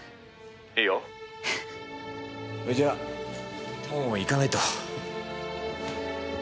それじゃあもう行かないと。